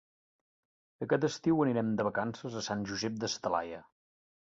Aquest estiu anirem de vacances a Sant Josep de sa Talaia.